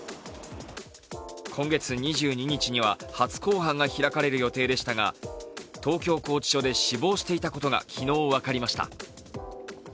今月２２日には初公判が開かれる予定でしたが、東京拘置所で死亡していたことが昨日、分かりました。